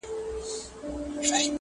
کله ټال کي د خیالونو زنګېدلای!!